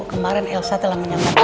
kemarin elsa telah menyambut